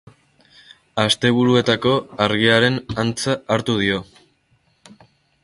Asteburuetako argiaren antza hartu dio.